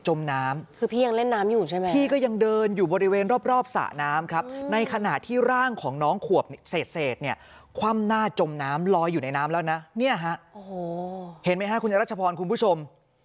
เห็นไหมครับคุณรัชพรคุณผู้ชม